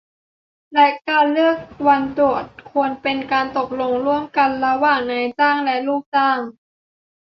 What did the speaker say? และการเลือกวันตรวจ ควรเป็นการตกลงร่วมกัน ระหว่างนายจ้างและลูกจ้าง